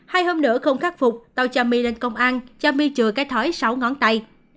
hai hôm nữa không khắc phục tao cho my lên công an cho my chừa cái thói sáu ngón tay